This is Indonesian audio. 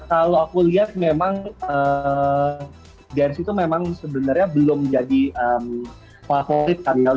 kalau aku lihat memang dance itu memang sebenarnya belum jadi favorit karyawan